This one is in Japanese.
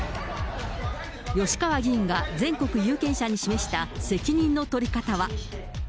吉川議員が全国有権者に示した責任の取り方は。